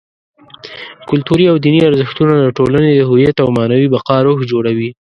کلتوري او دیني ارزښتونه: د ټولنې د هویت او معنوي بقا روح جوړوي.